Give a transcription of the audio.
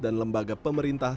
dan lembaga pemerintah